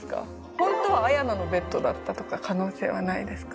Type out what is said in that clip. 本当は彩奈のベッドだったとか可能性はないですか？